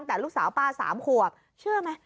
แต่ลูกสาวป้า๓ขวบเชื่อไหม